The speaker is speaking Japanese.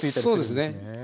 そうですね。